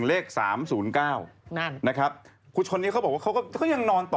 กลัวว่าผมจะต้องไปพูดให้ปากคำกับตำรวจยังไง